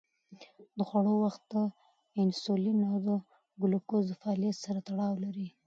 د خوړو وخت د انسولین او ګلوکوز د فعالیت سره تړاو لري.